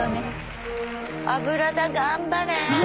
油田頑張れ。